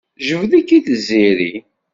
Tjebbed-ik-id Tiziri?